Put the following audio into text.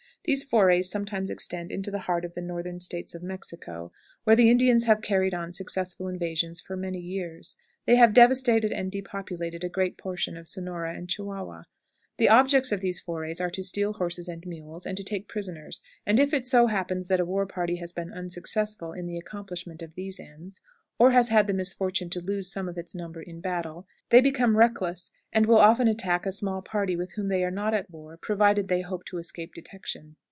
These forays sometimes extend into the heart of the northern states of Mexico, where the Indians have carried on successful invasions for many years. They have devastated and depopulated a great portion of Sonora and Chihuahua. The objects of these forays are to steal horses and mules, and to take prisoners; and if it so happens that a war party has been unsuccessful in the accomplishment of these ends, or has had the misfortune to lose some of its number in battle, they become reckless, and will often attack a small party with whom they are not at war, provided they hope to escape detection.